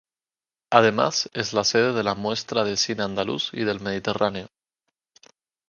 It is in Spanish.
Además, es la sede de la Muestra de cine andaluz y del Mediterráneo.